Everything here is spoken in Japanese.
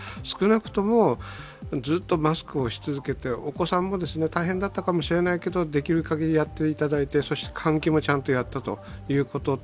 少なくともずっとマスクをし続けて、お子さんも大変だったかもしれないけども、できるかぎりやっていただいて換気もちゃんとやったと。